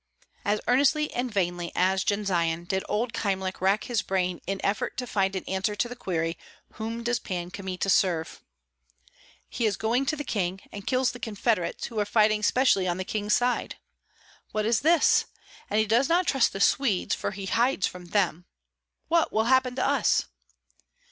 As earnestly and vainly as Jendzian, did old Kyemlich rack his brain in effort to find an answer to the query, "Whom does Pan Kmita serve?" "He is going to the king, and kills the confederates, who are fighting specially on the king's side. What is this? And he does not trust the Swedes, for he hides from them. What will happen to us?"